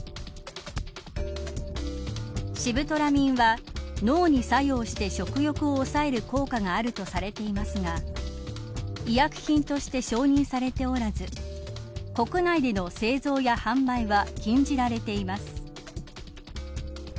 シブトラミンは脳に作用して食欲を抑える効果があるとされていますが医薬品として承認されておらず国内での製造や販売は禁じられています。